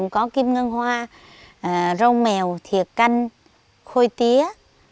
có kim ngân hoa rau mèo thiệt canh khôi tía